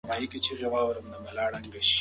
که موږ ورزش وکړو نو له ناروغیو به وژغورل شو.